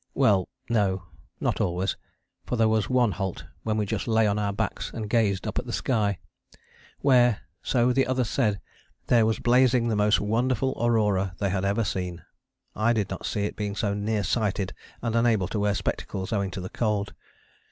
Well no. Not always. For there was one halt when we just lay on our backs and gazed up into the sky, where, so the others said, there was blazing the most wonderful aurora they had ever seen. I did not see it, being so near sighted and unable to wear spectacles owing to the cold.